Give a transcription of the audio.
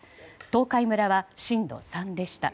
東海村は震度３でした。